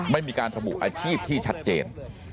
ไม่มีการระบุอาชีพที่ชัดเจน